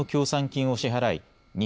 金を支払い